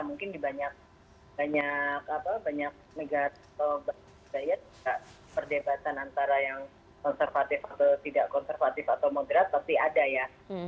mungkin di banyak negara bagian perdebatan antara yang konservatif atau tidak konservatif atau moderat pasti ada ya